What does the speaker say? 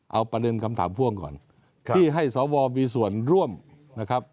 เอาประเด็นคำถามพ่วงก่อนที่ให้สวมีส่วนร่วมนะครับ